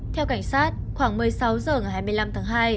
theo cảnh sát khoảng một mươi sáu h ngày hai mươi năm tháng hai